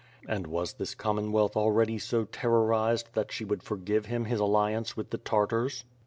And was this Com monwealth already so terrorized that she would forgive him his alliance with the Tartars?